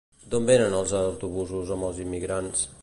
D'on venen els autobusos amb els immigrants?